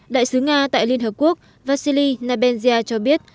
đại sứ nga tại liên hợp quốc vasily nabenzia cho biết